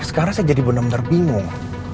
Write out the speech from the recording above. sekarang saya jadi bener bener bingung